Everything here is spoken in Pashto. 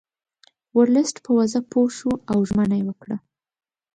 ورلسټ په وضع پوه شو او ژمنه یې وکړه.